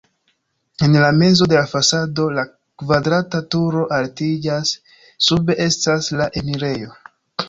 En mezo de la fasado la kvadrata turo altiĝas, sube estas la enirejo.